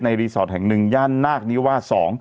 ในรีสอร์ทแห่ง๑ย่านนาคนิวา๒